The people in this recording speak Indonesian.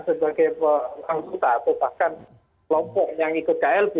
sebagai anggota atau bahkan kelompok yang ikut klb